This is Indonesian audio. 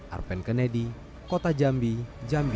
arven kennedy kota jambi jambi